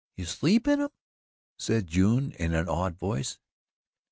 "You SLEEP in 'em?" said June in an awed voice.